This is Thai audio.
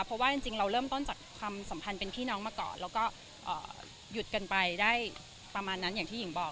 เพราะว่าจริงเราเริ่มต้นจากความสัมพันธ์เป็นพี่น้องมาก่อนแล้วก็หยุดกันไปได้ประมาณนั้นอย่างที่หญิงบอก